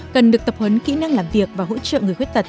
cần được tập huấn kỹ năng làm việc và hỗ trợ người khuyết tật